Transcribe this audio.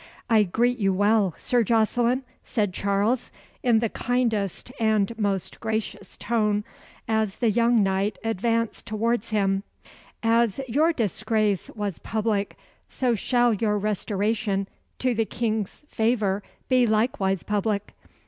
"I greet you well, Sir Jocelyn," said Charles, in the kindest and most gracious tone, as the young knight advanced towards him. "As your disgrace was public, so shall your restoration to the King's favour be likewise public.